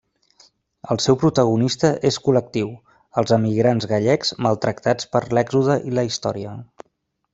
El seu protagonista és col·lectiu: els emigrants gallecs maltractats per l'èxode i la història.